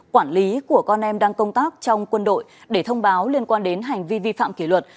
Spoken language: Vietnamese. quản lý của con em đang công tác trong quân đội để thông báo liên quan đến hành vi vi phạm kỷ luật